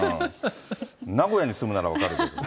名古屋に住むなら分かるけど。